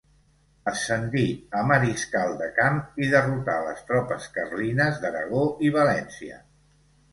Ascendí a mariscal de camp i derrotà a les tropes carlines d'Aragó i València.